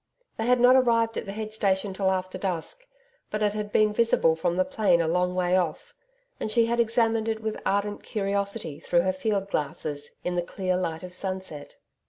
They had not arrived at the head station till after dusk, but it had been visible from the plain a long way off, and she had examined it with ardent curiosity through her field glasses in the clear light of sunset.